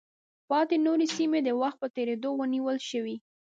پاتې نورې سیمې د وخت په تېرېدو ونیول شوې.